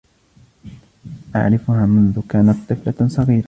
أعرفها منذ كانت طفلة صغيرة.